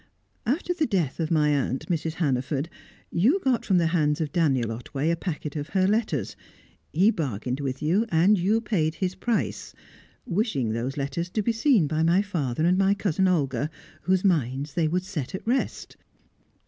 After the death of my aunt, Mrs. Hannaford, you got from the hands of Daniel Otway a packet of her letters; he bargained with you, and you paid his price, wishing those letters to be seen by my father and my cousin Olga, whose minds they would set at rest.